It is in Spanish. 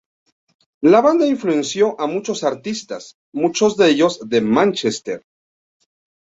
La banda influenció a muchos artistas, muchos de ellos de Mánchester.